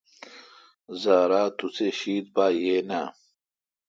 زارا توسی شیتھ یاین اؘ۔